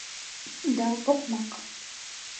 Да, окмак!